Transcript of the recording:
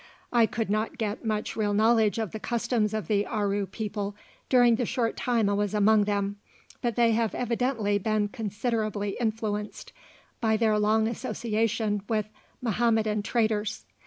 I could not get much real knowledge of the customs of the Aru people during the short time I was among them, but they have evidently been considerably influenced by their long association with Mahometan traders.